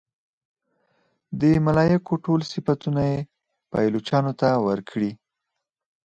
د ملایکو ټول صفتونه یې پایلوچانو ته ورکړي.